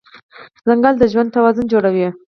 ځنګل د ژوند توازن جوړوي.